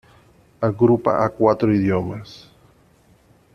Agrupa a cuatro idiomas.